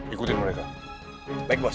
ikutin mereka baik bos